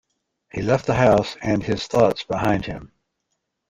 He left the house and his thoughts behind him.